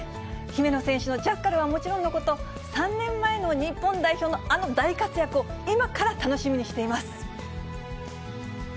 姫野選手のジャッカルはもちろんのこと、３年前の日本代表のあの大活躍を今から楽しみにしています。